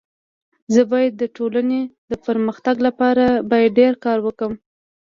زه بايد د ټولني د پرمختګ لپاره باید ډير کار وکړم.